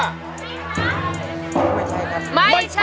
ไม่ใช่